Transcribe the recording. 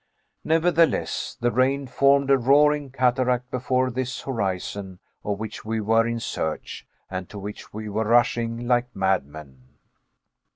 Nevertheless, the rain formed a roaring cataract before this horizon of which we were in search, and to which we were rushing like madmen.